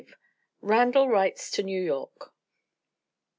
Randal Writes to New York.